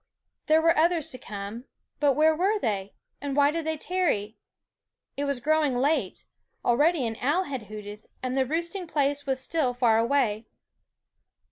There were others to come; but where were they, and why did they tarry? It was growing late; already an owl had hooted, and the roost ing place was still far away.